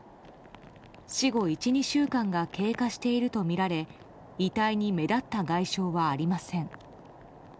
死後１２週間が経過しているとみられ遺体に目立った外傷はありません。